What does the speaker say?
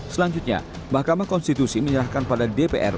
selanjutnya mahkamah konstitusi menyerahkan pada dpr